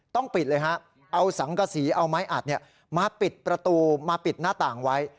ต้องปิดเลยฮะเอาสังกษีเอาไม้อัดมาปิดประตูมาปิดหน้าต่างไว้